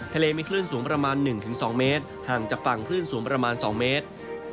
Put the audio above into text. ทะเลมีคลื่นสูงประมาณ๑๒เมตรห่างจากฝั่งคลื่นสูงประมาณ๒เมตร